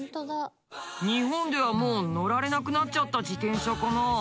日本ではもう乗られなくなっちゃった自転車かな。